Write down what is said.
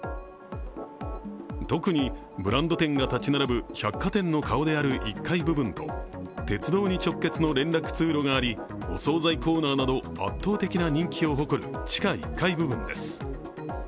特にブランド店が建ち並ぶ百貨店顔である１階部分と鉄道に直結の連絡通路があり、お総菜コーナーなど、圧倒的な人気を誇る地下１階部分です。